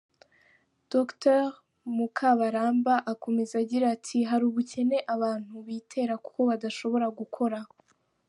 Dr Mukabaramba akomeza agira ati ”Hari ubukene abantu bitera kuko badashobora gukora.